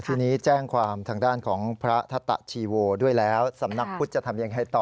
ทีนี้แจ้งความทางด้านของพระทัตตะชีโวด้วยแล้วสำนักพุทธจะทำยังไงต่อ